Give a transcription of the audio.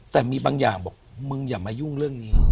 แต่มีบางอย่างบอกมึงอย่ามายุ่งเรื่องนี้